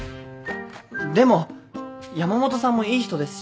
でも山本さんもいい人ですし。